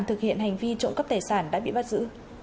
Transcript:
thực hiện hành vi trộm cắp tài sản đã bị bắt giữ